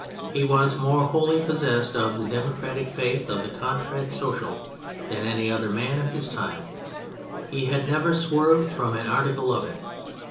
He was more wholly possessed of the democratic faith of the Contrat Social than any other man of his time : he had never swerved from an article of it.